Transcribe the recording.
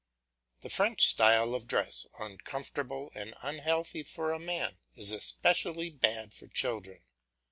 The French style of dress, uncomfortable and unhealthy for a man, is especially bad for children.